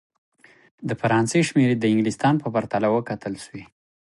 د فرانسې شمېرې د انګلستان په پرتله وکتل سوې.